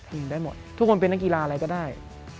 ได้หมดทุกคนเป็นนักกีฬาอะไรก็ได้